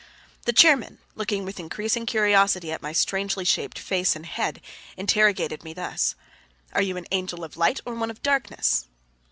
The chairman, looking with increasing curiosity at my strangely shaped face and head, interrogated me thus: "Are you an angel of light, or one of darkness?"